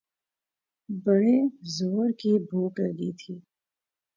بڑے زورکی بھوک لگی تھی۔